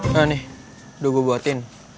enggak nih udah gue buatin